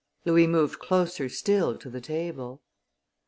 Louis moved closer still to the table.